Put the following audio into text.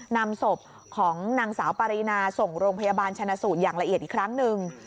นำศพของนางสาวปารีนาส่งโรงพยาบาลชนะสูตรอย่างละเอียดอีกครั้งหนึ่ง